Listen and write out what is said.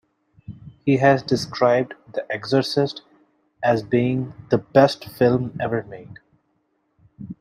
He has described "The Exorcist" as being "the best film ever made".